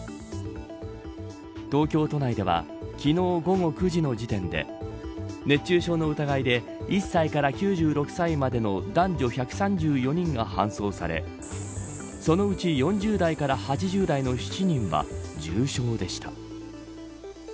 東京都内では昨日午後９時の時点で熱中症の疑いで１歳から９６歳までの男女１３４人が搬送されそのうち４０代から８０代の７人は重症でした。